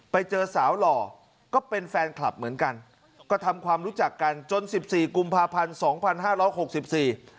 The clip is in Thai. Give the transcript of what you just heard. ไปเจอสาวหล่อก็เป็นแฟนคลับเหมือนกันก็ทำความรู้จักกันจนสิบสี่กุมภาพันธ์สองพันห้าร้อยหกสิบสี่